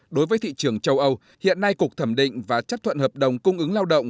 đối với thị trường châu âu hiện nay cục thẩm định và chấp thuận hợp đồng cung ứng lao động